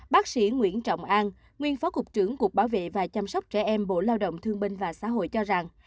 bác sĩ nguyễn trọng an nguyên phó cục trưởng cục bảo vệ và chăm sóc trẻ em bộ lao động thương binh và xã hội cho rằng